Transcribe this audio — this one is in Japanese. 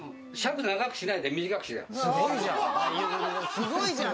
すごいじゃん。